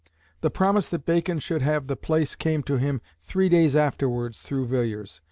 The promise that Bacon should have the place came to him three days afterwards through Villiers.